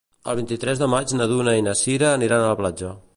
El vint-i-tres de maig na Duna i na Sira aniran a la platja.